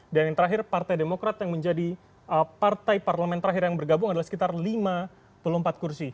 dan yang terakhir partai demokrat yang menjadi partai parlemen terakhir yang bergabung adalah sekitar lima puluh empat kursi